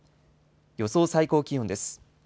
予想最高気温です。